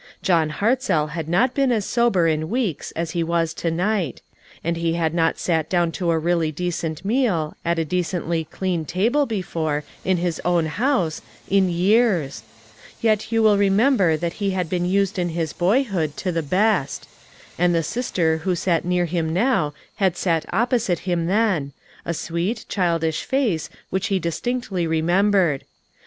John Hartzell had not been as sober in weeks as he was to night ; and he had not sat down to a really decent meal, at a de cently clean table before, in his own house, in years ! Yet you will remember that he had been used in his boyhood, to the best. And the sister who sat near him now had sat opposite him then — a sweet, childish face which he distinctly remembered.